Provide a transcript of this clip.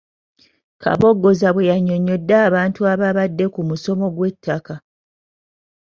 Kaboggoza bwe yannyonnyodde abantu abaabadde ku musomo gw'ettaka.